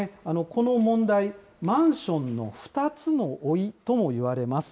この問題、マンションの２つの老いともいわれます。